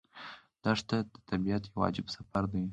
دښته د طبیعت یو عجیب سفر دی.